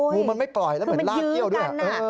งูมันไม่ปล่อยแล้วเหมือนลากเกี้ยวด้วย